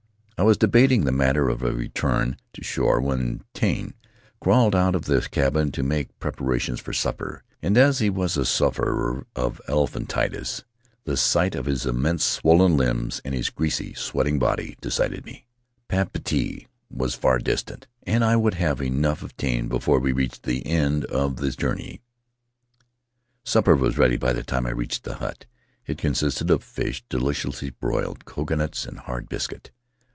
I was debating the matter of a return to shore when Tane crawled out of the cabin to make preparations for supper, and as he was a sufferer from elephantiasis, the sight of his immense swollen limbs and his greasy, sweating body decided me. Papeete was far distant, and I would have enough of Tane before we reached the end of the journey. Supper was ready by the time I reached the hut. It consisted of fish deliciously broiled, coconuts, and hard biscuit.